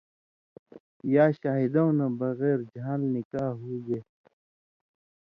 یا شاہِدؤں نہ بغیر ژھان٘ل (نِکاح) ہُوگے۔